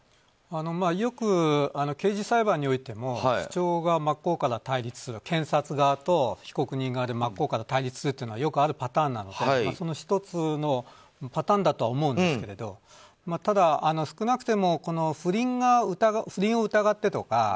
よく刑事裁判においても検察側と被告人側で対立するというのはよくあるパターンなのでその１つのパターンだとは思うんですけどただ少なくとも不倫を疑ってとか